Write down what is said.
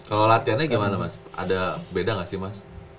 kalau latihannya gimana mas ada beda nggak sih mas